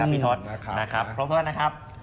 พี่ทศครับเพื่อนนะครับ